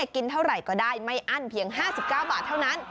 กินเท่าไหร่ก็ได้ไม่อั้นเพียงห้าสิบเก้าบาทเท่านั้น